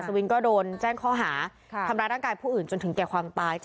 วินก็โดนแจ้งข้อหาทำร้ายร่างกายผู้อื่นจนถึงแก่ความตาย